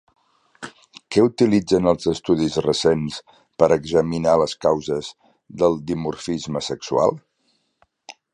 Què utilitzen els estudis recents per examinar les causes del dimorfisme sexual?